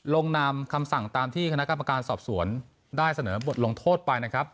ลงนามคำสั่งตามที่คณะกรรมการสอบสวนได้เสนอบทลงโทษไปนะครับ